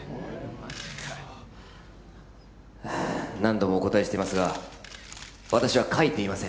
・マジか何度もお答えしていますが私は書いていません